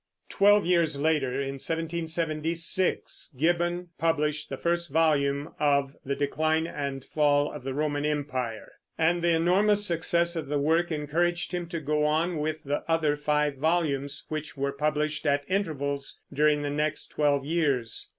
Twelve years later, in 1776, Gibbon published the first volume of The Decline and Fall of the Roman Empire; and the enormous success of the work encouraged him to go on with the other five volumes, which were published at intervals during the next twelve years.